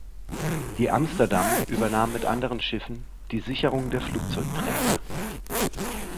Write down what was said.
Die "Amsterdam" übernahm mit anderen Schiffen die Sicherung der Flugzeugträger.